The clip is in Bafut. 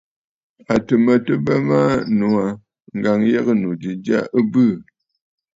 À tɨ̀ mə tɨ bə maa nòò aa, ŋ̀gǎŋyəgə̂nnù ji jya ɨ bɨɨ̀.